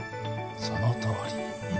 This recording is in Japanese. そのとおり。